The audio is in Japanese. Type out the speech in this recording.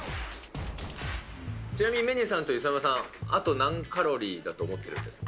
ちなみにメンディーさんと磯山さん、あと何カロリーだと思ってるんですか？